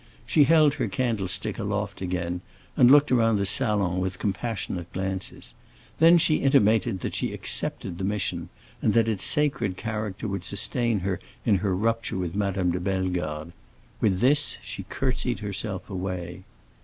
She held her candlestick aloft again and looked around the salon with compassionate glances; then she intimated that she accepted the mission, and that its sacred character would sustain her in her rupture with Madame de Bellegarde. With this she curtsied herself away.